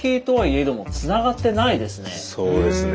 そうですね。